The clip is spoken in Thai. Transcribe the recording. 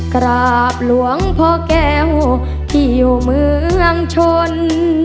กราบหลวงพ่อแก้วที่อยู่เมืองชน